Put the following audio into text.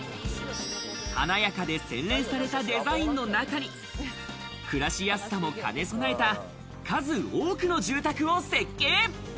華やかで洗練されたデザインの中に、暮らしやすさも兼ね備えた数多くの住宅を設計。